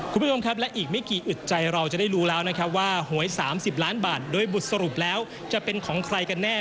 คุณผู้ชมครับและอีกไม่กี่อึดใจเราจะได้รู้แล้วนะครับว่าหวย๓๐ล้านบาทโดยบทสรุปแล้วจะเป็นของใครกันแน่